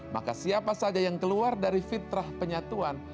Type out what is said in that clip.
maka siapa saja yang keluar dari fitrah penyatuan